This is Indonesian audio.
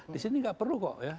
di sini nggak perlu kok ya